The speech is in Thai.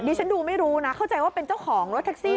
ฉันดูไม่รู้นะเข้าใจว่าเป็นเจ้าของรถแท็กซี่